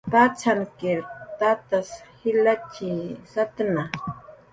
Patzankir tatas jilatxi satna.